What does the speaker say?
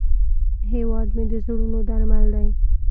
هیواد مې د زړونو درمل دی